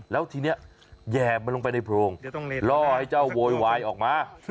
แล้วทีนี้แห่มันลงไปในโพรงล่อให้เจ้าโวยวายออกมา